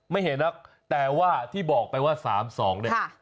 ไม่เห็นหรอกแต่ว่าที่บอกไปว่า๓๒เนี่ย